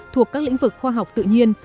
thuộc các lĩnh vực khoa học tự nhiên